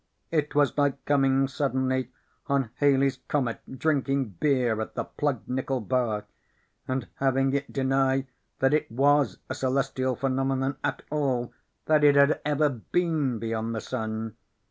It was like coming suddenly on Haley's Comet drinking beer at the Plugged Nickel Bar, and having it deny that it was a celestial phenomenon at all, that it had ever been beyond the sun.